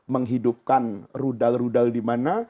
menghidupkan rudal rudal di mana